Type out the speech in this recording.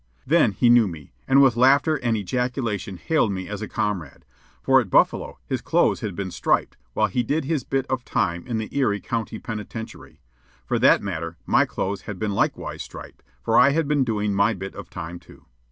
Then he knew me, and with laughter and ejaculation hailed me as a comrade; for at Buffalo his clothes had been striped while he did his bit of time in the Erie County Penitentiary. For that matter, my clothes had been likewise striped, for I had been doing my bit of time, too.